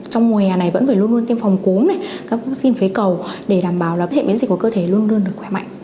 trong mùa hè này vẫn phải luôn luôn tiêm phòng cốm này các vaccine phế cầu để đảm bảo là hệ biến dịch của cơ thể luôn luôn được khỏe mạnh